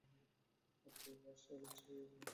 এটা যেহেতু আসছে, মানুষ নিশ্চয়ই এটাতে শাবল চালাবে!